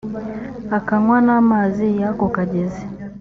akanywa n amazi y ako kagezi